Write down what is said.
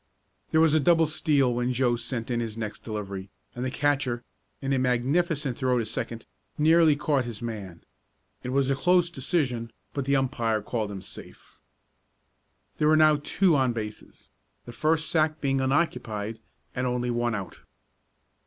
There was a double steal when Joe sent in his next delivery, and the catcher, in a magnificent throw to second, nearly caught his man. It was a close decision, but the umpire called him safe. There were now two on bases, the first sack being unoccupied, and only one out.